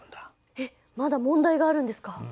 えっまだ問題があるんですか？